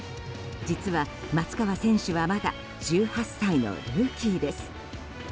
実は、松川選手はまだ１８歳のルーキーです。